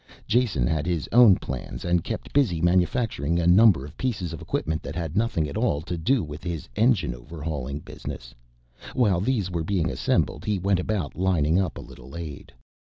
Jason had his own plans and kept busy manufacturing a number of pieces of equipment that had nothing at all to do with his engine overhauling business. While these were being assembled he went about lining up a little aid.